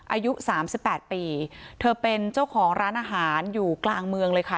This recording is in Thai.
อายุสามสิบแปดปีเธอเป็นเจ้าของร้านอาหารอยู่กลางเมืองเลยค่ะ